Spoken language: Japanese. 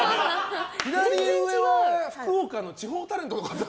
左上は福岡の地方タレントかと思った。